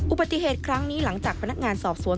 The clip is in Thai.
อุบัติเหตุครั้งนี้หลังจากพนักงานสอบสวน